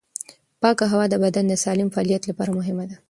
پاکه هوا د بدن د سالم فعالیت لپاره مهمه ده.